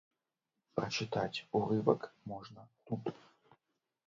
Прачытаць урывак можна тут.